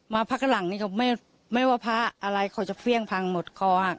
มาพักกะหลังนี่ก็ไม่ว่าภาคอะไรเขาจะเสี้ยงพังหมดคลอ